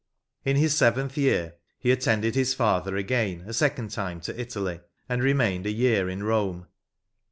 In his seventh year he attended his father again a second time to Italy, and remained a year in Borne.